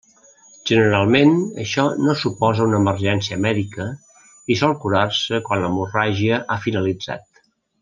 Generalment, això no suposa una emergència mèdica i sol curar-se quan l'hemorràgia ha finalitzat.